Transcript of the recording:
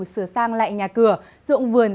sửa sang lại nhà cửa dụng vườn